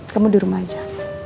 kamu di rumah aja